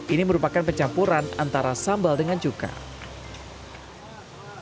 ini merupakan pencampuran antara sambal dengan cukai